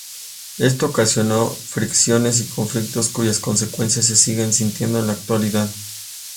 Esto ocasionó fricciones y conflictos cuyas consecuencias se siguen sintiendo en la actualidad.